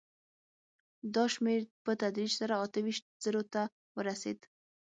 دا شمېر په تدریج سره اته ویشت زرو ته ورسېد